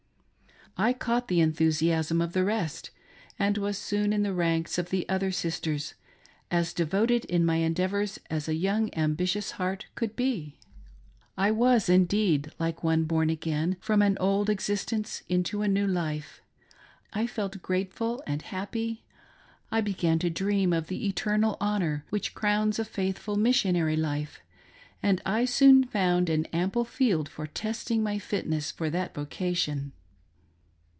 I caught the enthusiasm of the rest, and was soon in the ranks with the other sisters, as devoted in my endeavors as a young, ambitious, heart could be. I was indeed like one born again from an old existence into a new life. I felt grateful and happy — I began to dream of the eternal honor which crowns a faithful missionary life ; and I soon found an ample field for testing, my fitness for that vocation.